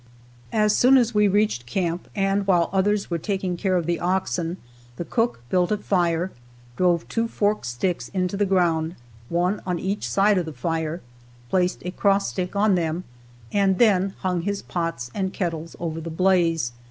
As soon as we reached camp and while others were taking care of the oxen, the cook built a fire, drove two forked sticks into the ground, one on each side of the fire, placed a cross stick on them, and then hung his pots and kettle over the blaze.